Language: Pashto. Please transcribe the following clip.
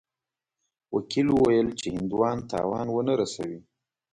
وکیل وویل چې هندوان تاوان ونه رسوي.